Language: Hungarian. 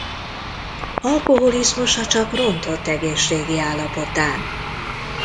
Alkoholizmusa csak rontott egészségi állapotán.